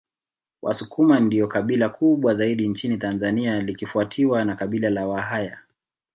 Wasukuma ndio kabila kubwa zaidi nchini Tanzania likifuatiwa na Kabila la Wahaya